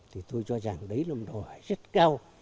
thì tôi cho rằng đấy là một đòi hỏi rất cao